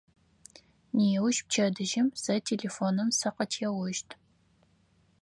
Неущ, пчэдыжьым, сэ телефоным сыкъытеощт.